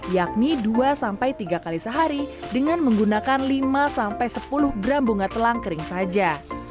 yakni dua sampai tiga kali sehari dengan menggunakan lima sampai sepuluh gram bunga telang kering saja